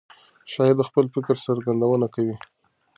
شاعر د خپل فکر څرګندونه کوي.